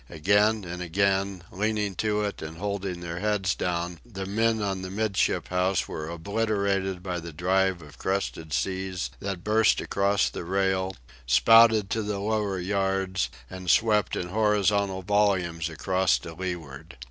Again and again, leaning to it and holding their heads down, the men on the 'midship house were obliterated by the drive of crested seas that burst against the rail, spouted to the lower yards, and swept in horizontal volumes across to leeward.